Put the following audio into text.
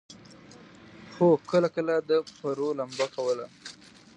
هو، کله کله د پرو لوبه کوم